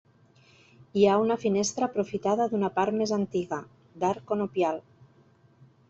Hi ha una finestra aprofitada d'una part més antiga, d'arc conopial.